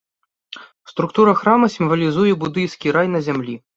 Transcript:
Структура храма сімвалізуе будыйскі рай на зямлі.